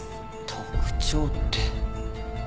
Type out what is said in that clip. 特徴って。